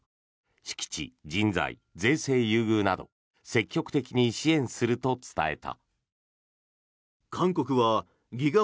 敷地、人材、税制優遇など積極的に支援すると伝えた。